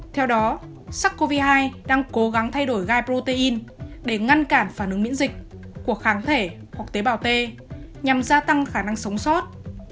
theo đó sars cov hai đang cố gắng thay đổi gai protein để ngăn cản phản ứng miễn dịch của kháng thể hoặc tế bào t nhằm gia tăng khả năng sống sót